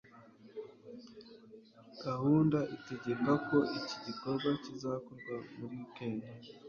gahunda itegeka ko iki gikorwa kizakorwa muri wikendi